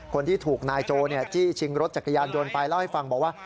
คนที่ถูกนายโจจี้ชิงรถจักรยานยนต์ไปเล่าให้ฟังบอกว่า